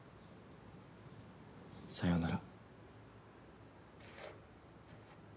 さようなら。